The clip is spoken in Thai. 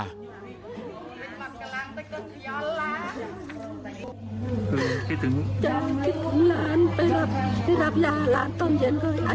ยายก็นั่งร้องไห้ลูบคลำลงศพตลอดเวลา